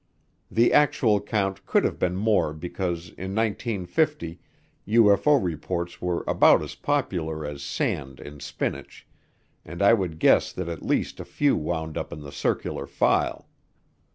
The actual count could have been more because in 1950, UFO reports were about as popular as sand in spinach, and I would guess that at least a few wound up in the "circular file."